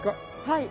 はい。